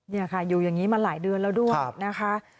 นี่ค่ะอยู่อย่างนี้มาหลายเดือนแล้วด้วยนะคะ